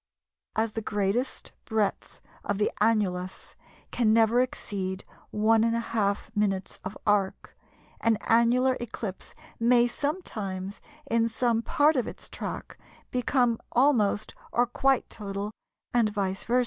As the greatest breadth of the annulus can never exceed 1½ minutes of arc, an annular eclipse may sometimes, in some part of its track, become almost or quite total, and vice versâ.